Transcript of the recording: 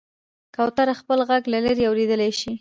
کوتره خپل غږ له لرې اورېدلی شي.